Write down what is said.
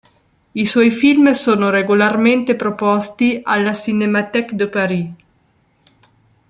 I suoi film sono regolarmente proposti alla Cinémathèque de Paris.